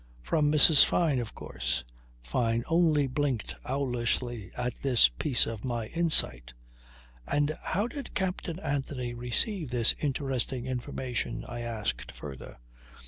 From Mrs. Fyne, of course." Fyne only blinked owlishly at this piece of my insight. "And how did Captain Anthony receive this interesting information?" I asked further.